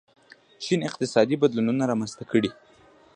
چین اقتصادي بدلونونه رامنځته کړي.